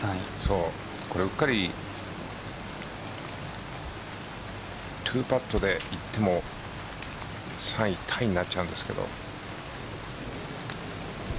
うっかり２パットでいっても３位タイになっちゃうんですけど。